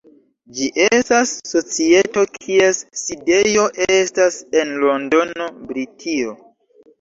Ĝi estas societo kies sidejo estas en Londono, Britio.